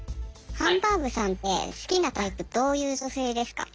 「ハンバーグさんって好きなタイプどういう女性ですか？」。